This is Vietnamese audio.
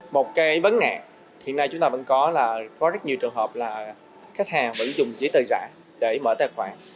một cái vấn nạn hiện nay chúng ta vẫn có là có rất nhiều trường hợp là khách hàng vẫn dùng giấy tờ giả để mở tài khoản